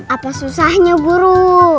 apa susahnya guru